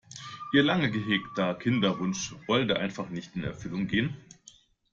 Ihr lang gehegter Kinderwunsch wollte einfach nicht in Erfüllung gehen.